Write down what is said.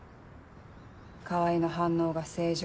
川合の反応が正常。